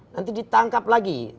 nanti ditangkap lagi